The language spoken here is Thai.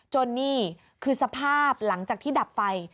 นี่คือสภาพหลังจากที่ดับไฟ